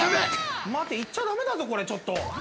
待っていっちゃダメだぞこれちょっと。